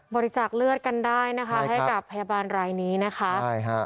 บริจาคเลือดกันได้นะคะให้กับพยาบาลรายนี้นะคะใช่ฮะ